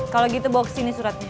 kalau gitu bawa ke sini suratnya